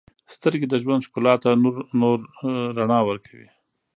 • سترګې د ژوند ښکلا ته نور رڼا ورکوي.